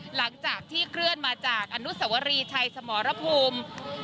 หลังจากที่เคลื่อนมาจากอนุสวรีชัยสมรภูมิ